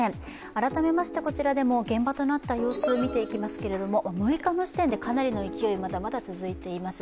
改めまして、こちらでも現場となった様子を見ていきますけど６日の時点でかなりの勢い、まだまだ続いています。